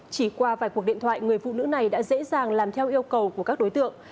chỉ qua vài cuộc điện thoại người phụ nữ này đã dễ dàng làm theo yêu cầu của các đối tượng